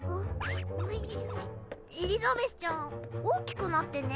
エリザベスちゃん大きくなってね？